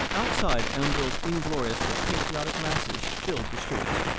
Outside, Elmville's inglorious but patriotic masses filled the streets.